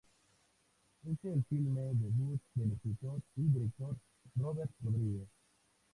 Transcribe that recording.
Es el filme debut del escritor y director Robert Rodriguez.